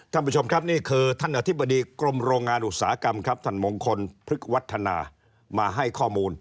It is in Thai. ท่านผู้ชมครับนี่คือท่านอธิบดีกรมโรงงานอุตสาหกรรมครับท่านมงคลพฤกษวัฒนามาให้ข้อมูล